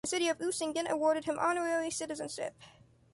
The City of Usingen awarded him honorary citizenship.